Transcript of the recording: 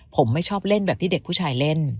ผมไม่ชอบเล่นแบบที่เด็กผู้ชายเล่น